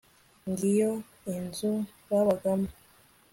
Ngiyo inzu babagamo